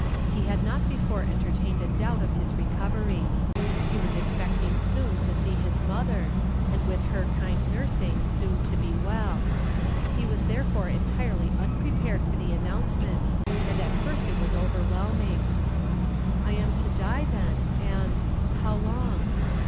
He had not before entertained a doubt of his recovery. He was expecting soon to see his mother, and with her kind nursing soon to be well. He was therefore entirely unprepared for the announcement, and at first it was overwhelming. "'I am to die then; and how long?'